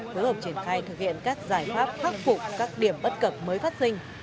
phối hợp triển khai thực hiện các giải pháp khắc phục các điểm bất cập mới phát sinh